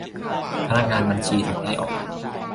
พนักงานบัญชี ถูกไล่ออก